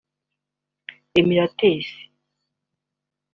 Emirates